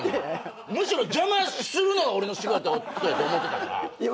むしろ邪魔するのが俺の仕事やと思ってたから。